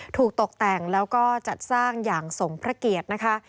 ถูกตกแต่งแล้วก็จัดสร้างอย่างสมพระเกียรตินะคะ